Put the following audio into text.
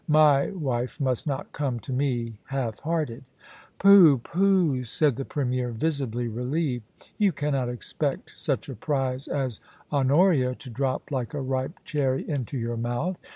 My wife must not come to me half hearted' * Pooh ! pooh !* said the Premier, visibly relieved. ' You cannot expect such a prize as Honoria to drop like a ripe cherry into your mouth.